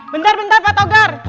bentar bentar pak togar